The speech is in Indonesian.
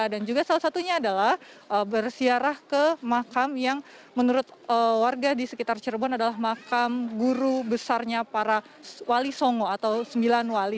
dan juga salah satunya adalah bersiarah ke makam yang menurut warga di sekitar cirebon adalah makam guru besarnya para wali songo atau sembilan wali